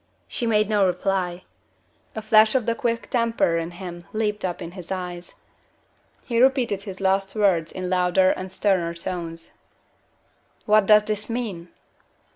She made no reply. A flash of the quick temper in him leaped up in his eyes. He repeated his last words in louder and sterner tones: "What does it mean?"